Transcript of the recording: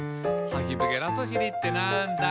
「ハヒブゲラソシリってなんだ？」